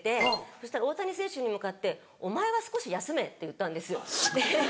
そしたら大谷選手に向かって「お前は少し休め」って言ったんですよ。